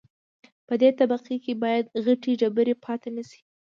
په دې طبقه کې باید غټې ډبرې پاتې نشي